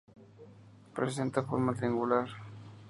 Presenta forma triangular.